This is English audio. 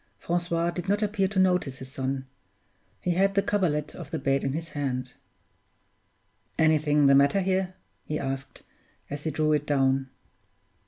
Francois did not appear to notice his son; he had the coverlet of the bed in his hand. "Anything the matter here?" he asked, as he drew it down.